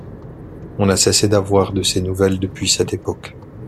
On a cessé d'avoir de ses nouvelles depuis cette époque.